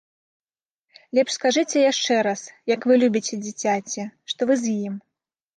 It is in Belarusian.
Лепш скажыце яшчэ раз, як вы любіце дзіцяці, што вы з ім.